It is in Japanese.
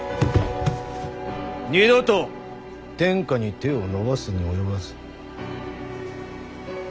二度と天下に手を伸ばすに及ばず。